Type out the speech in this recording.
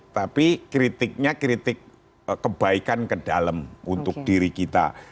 tapi kritiknya kritik kebaikan ke dalam untuk diri kita